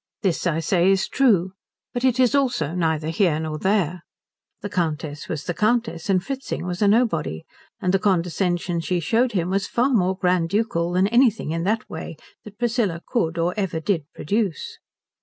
This, I say, is true; but it is also neither here nor there. The Countess was the Countess, and Fritzing was a nobody, and the condescension she showed him was far more grand ducal than anything in that way that Priscilla could or ever did produce.